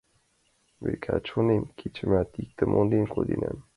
Векат, шонем, кечымат иктым монден коденам.